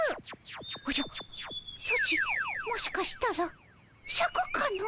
ソチもしかしたらシャクかの？